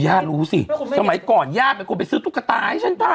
โอ้ย่ารู้สิสมัยก่อนย่ามีคนเป็นซื้อตุ๊กตาไอ้ช่างเธอ